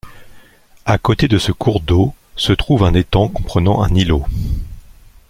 À côté de ce cours d'eau, se trouve un étang comprenant un îlot.